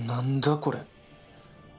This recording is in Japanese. これ。